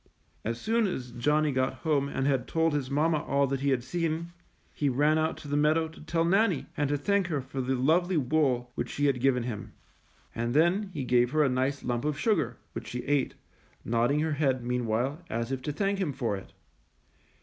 As soon as Johnny got home and had told his mamma all that he had seen, he ran out to the meadow to tell Nannie, and to thank her for the lovely wool which she had NANNIE'S COAT 157 given him. And then he gave her a nice lump of sugar, which she ate, nodding her head, meanwhile, as if to thank him for it.